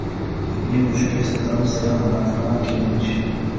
اپنی مشقِ ستم سے ہاتھ نہ کھینچ